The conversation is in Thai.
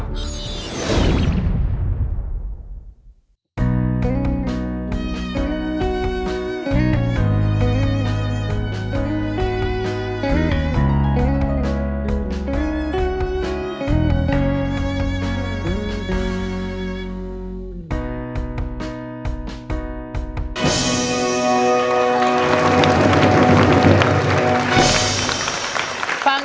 เพลงที่๒มาเลยครับ